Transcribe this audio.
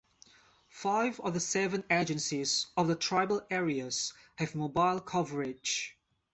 Five of the seven Agencies of the tribal areas have mobile coverage.